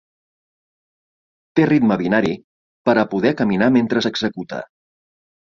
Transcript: Té ritme binari, per a poder caminar mentre s'executa.